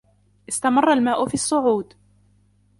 استمرّ الماء في الصّعود.